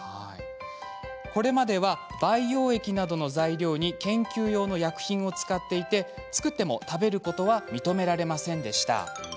これまでは培養液などの材料に医薬品を使っていて作っても食べることは認められませんでした。